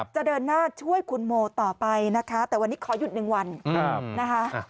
จะเดินหน้าช่วยคุณโมต่อไปนะคะแต่วันนี้ขอหยุด๑วันนะคะ